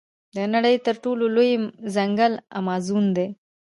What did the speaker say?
د نړۍ تر ټولو لوی ځنګل امازون دی.